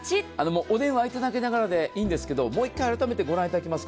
お電話いただきながらでいいんですがもう１回、あらためてご覧いただきます。